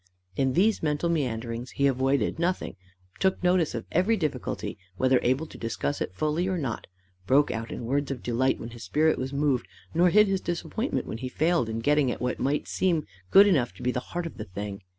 In these mental meanderings, he avoided nothing, took notice of every difficulty, whether able to discuss it fully or not, broke out in words of delight when his spirit was moved, nor hid his disappointment when he failed in getting at what might seem good enough to be the heart of the thing.